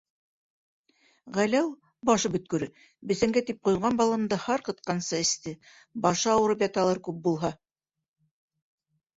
Ғәләү, башы бөткөрө, бесәнгә тип ҡойған балымды һарҡытҡанса эсте, башы ауырып яталыр күп буһа!